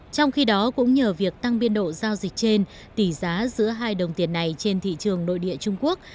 trong khi đó cũng nhờ việc tăng biên độ giao dịch trên tỷ giá giữa hai đồng tiền này trên thị trường nội địa trung quốc